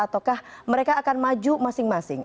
ataukah mereka akan maju masing masing